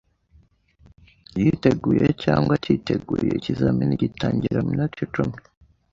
Yiteguye cyangwa atiteguye, ikizamini gitangira muminota icumi.